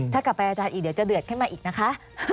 ถ้ากลับไปอาจารย์อีกเดี๋ยวจะเดือดขึ้นมาอีกนะคะ